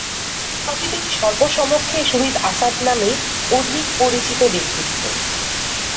তবে তিনি সর্বসমক্ষে শহীদ আসাদ নামেই অধিক পরিচিত ব্যক্তিত্ব।